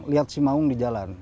lihat si maung di jalan